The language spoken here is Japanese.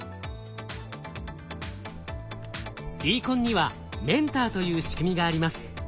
ＤＣＯＮにはメンターという仕組みがあります。